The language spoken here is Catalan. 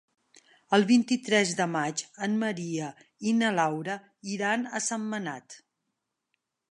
El vint-i-tres de maig en Maria i na Laura iran a Sentmenat.